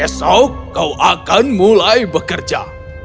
esok kau akan mulai bekerja